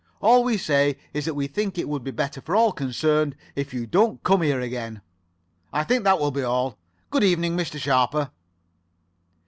All we say is that we think it would be better for all concerned if you don't come here again. I think that will be all. Good evening, Mr. Sharper."